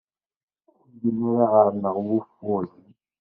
Ur llin ara ɣer-neɣ wufuren.